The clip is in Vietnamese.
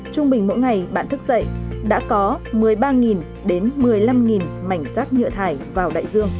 trung bình mỗi ngày bạn thức dậy đã có một mươi ba đến một mươi năm mảnh rác nhựa thải vào đại dương